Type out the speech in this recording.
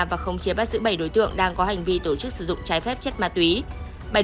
và không chia bắt giữ bảy đối tượng đang có hành vi tổ chức sử dụng trái phép chất ma túy